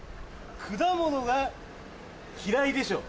果物が嫌いでしょ？